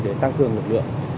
để tăng cường lực lượng